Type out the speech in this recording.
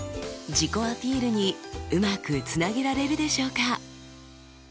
自己アピールにうまくつなげられるでしょうか？